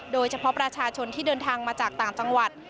โดยเฉพาะประชาชนที่เดินทางมาจากต่างจังหวัด